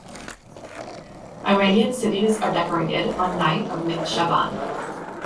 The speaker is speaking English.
Iranian cities are decorated on night of Mid-Sha'ban.